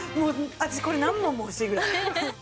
私これ何本も欲しいぐらい。